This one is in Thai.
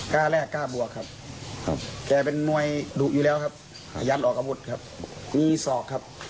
แรกกล้าบวกครับแกเป็นมวยดุอยู่แล้วครับยันออกอาวุธครับมีศอกครับ